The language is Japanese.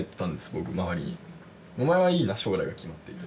僕周りに「お前はいいな将来が決まってて」